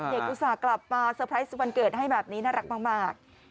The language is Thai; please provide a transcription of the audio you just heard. อุตส่าห์กลับมาเตอร์ไพรส์วันเกิดให้แบบนี้น่ารักมาก